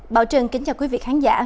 bảo trường kính chào quý vị khán giả